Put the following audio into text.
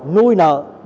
núi nợ để đổi tiền trả nợ